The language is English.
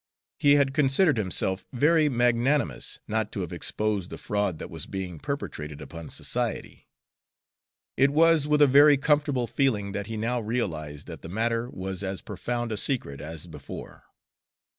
He had considered himself very magnanimous not to have exposed the fraud that was being perpetrated upon society: it was with a very comfortable feeling that he now realized that the matter was as profound a secret as before.